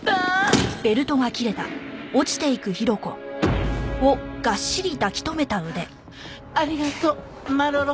はあありがとうマロロ。